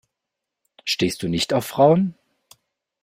Stehst du nicht auf Frauen?